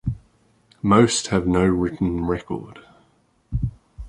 Most have no written record.